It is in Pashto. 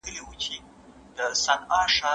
زموږ ټولنه روښانه راتلونکی لري.